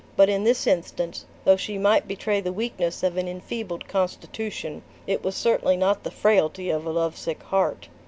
But in this instance, though she might betray the weakness of an enfeebled constitution, it was certainly not the frailty of a love sick heart."